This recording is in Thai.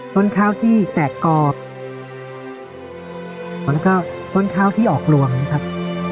ต้นข้าวที่แตกกอกแล้วก็ต้นข้าวที่ออกหลวงนะครับ